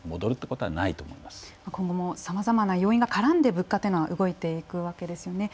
今後もさまざまな要因が絡んで物価というのは動いていくわけですよね。